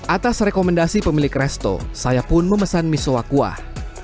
atas rekomendasi pemilik resto saya pun memesan misowa kuah